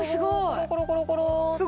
コロコロコロコロっと。